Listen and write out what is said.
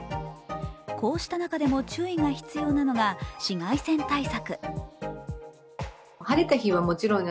こうした中でも注意が必要なのが紫外線対策。